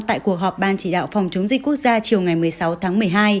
tại cuộc họp ban chỉ đạo phòng chống dịch quốc gia chiều ngày một mươi sáu tháng một mươi hai